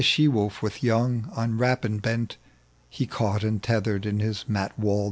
Even the ahe wolf with young, on rapine bent, He caught and tethered in his mat wal!